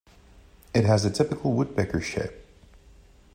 It has a typical woodpecker shape.